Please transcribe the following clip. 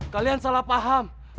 kalian salah paham